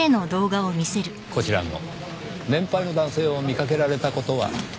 こちらの年配の男性を見かけられた事は？